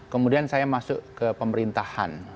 kemudian saya masuk ke pemerintahan